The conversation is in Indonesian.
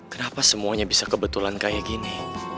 kenapa semuanya bisa kebetulan kayak gini